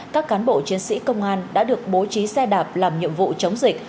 các cán bộ chiến sĩ công an đã được bố trí xe đạp làm nhiệm vụ chống dịch